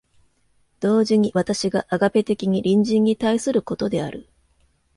同時に私がアガペ的に隣人に対することである。